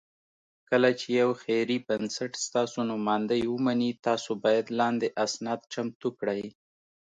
کله چې یو خیري بنسټ ستاسو نوماندۍ ومني، تاسو باید لاندې اسناد چمتو کړئ: